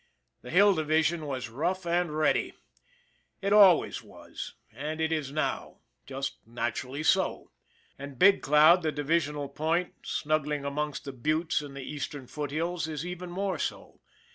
The Hill Divi sion was rough and ready. It always was, and it is now just naturally so. And Big Cloud, the divi sional point, snuggling amongst the buttes in the east ern foothills, is even more so.